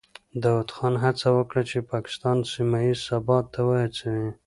داود خان هڅه وکړه چې پاکستان سیمه ییز ثبات ته وهڅوي.